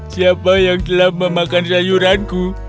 siapa yang telah memakan sayuranku